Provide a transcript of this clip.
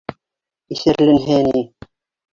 Иҫәрләнһә ни.